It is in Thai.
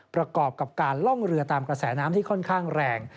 ประกอบกับการล่องเรือตามกระแสน้ำที่ค่อนข้างแรง